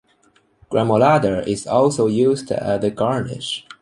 Gremolata is also used as a garnish.